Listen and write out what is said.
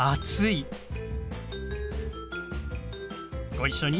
ご一緒に。